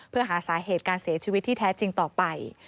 เพื่อหาสาเหตุการเสียชีวิตที่แท้จริงต่อไป